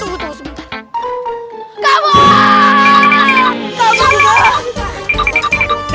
lukman keberatan cik jojo